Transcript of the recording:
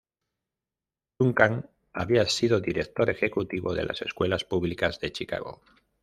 Duncan había sido Director Ejecutivo de las Escuelas Públicas de Chicago.